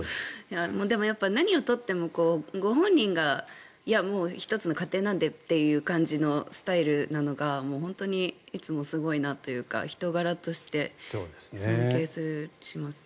でも何を取ってもご本人がいや、もう、１つの過程なんでという感じのスタイルなのが本当にいつもすごいなというか人柄として尊敬しますね。